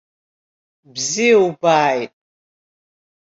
Бзиа убааит!